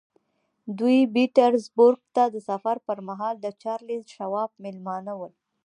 دوی پیټرزبورګ ته د سفر پر مهال د چارلیس شواب مېلمانه وو